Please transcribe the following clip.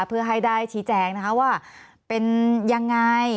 เพื่อให้ได้ชี้แจงนะคะว่าเป็นยังไง